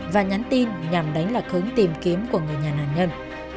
và nhắn tin nhằm đánh lạc hướng tìm kiếm của người nhà nạn nhân